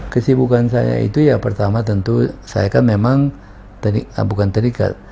kesibukan saya itu ya pertama tentu saya kan memang bukan terikat